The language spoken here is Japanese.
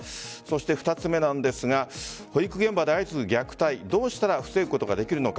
２つ目なんですが保育現場で相次ぐ虐待どうしたら防ぐことができるのか。